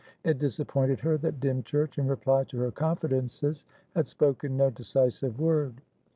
It disappointed her that Dymchurch, in reply to her confidences, had spoken no decisive word.